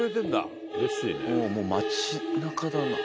「もう街中だな」